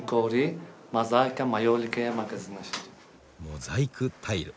モザイクタイル。